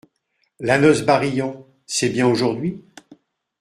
La noce Barillon, c’est bien aujourd’hui ?